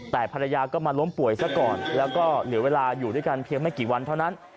แต่ภรรยาก็มาล้มป่วยซะก่อนแล้วก็เหลือเวลาอยู่ด้วยกันเพียงไม่กี่วันเท่านั้น